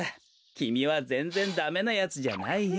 きみはぜんぜんダメなやつじゃないよ。